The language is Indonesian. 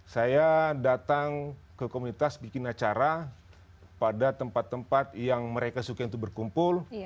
saya datang ke komunitas bikin acara pada tempat tempat yang mereka suka untuk berkumpul